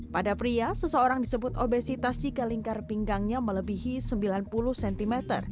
pada pria seseorang disebut obesitas jika lingkar pinggangnya melebihi sembilan puluh cm